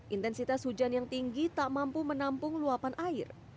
intensitas hujan yang tinggi tak mampu menampung luapan air